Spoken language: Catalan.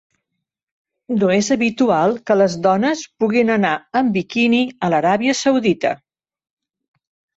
No és habitual que les dones puguin anar amb biquini a l'Aràbia Saudita